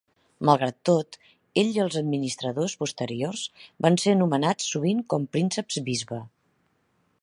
Malgrat tot, ell i els administradors posteriors van ser anomenats sovint com prínceps-bisbe.